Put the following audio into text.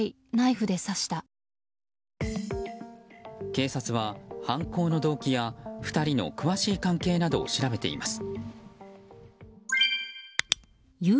警察は犯行の動機や２人の詳しい関係などを調べています。